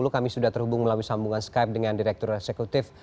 kami sudah terhubung melalui sambungan skype dengan direktur eksekutif